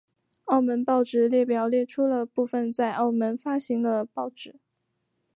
澳门报纸列表列出了部分在澳门发行的报纸。